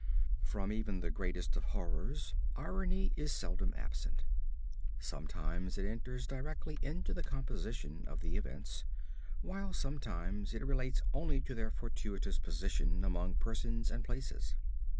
From even the greatest of horrors irony is seldom absent. Sometimes it enters directly into the composition of the events, while sometimes it relates only to their fortuitous position among persons and places.